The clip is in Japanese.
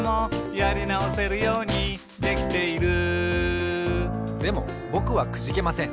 「やりなおせるようにできている」でもぼくはくじけません。